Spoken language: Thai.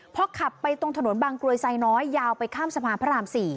พอขับไปตรงถนนบางกรวยไซน้อยยาวไปข้ามสะพานพระราม๔